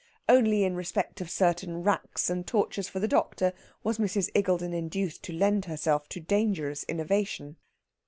Only in respect of certain racks and tortures for the doctor was Mrs. Iggulden induced to lend herself to dangerous innovation.